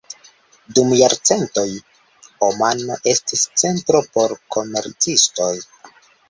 Dum jarcentoj, Omano estis centro por komercistoj.